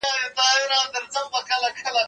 زه پرون واښه راوړله؟